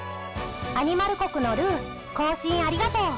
アニマル国のルー交信ありがとう」。